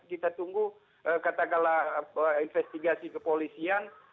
kita tunggu katakanlah investigasi kepolisian